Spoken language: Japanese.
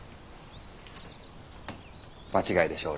場違いでしょ俺。